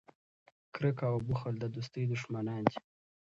کرکه او بخل د دوستۍ دشمنان دي.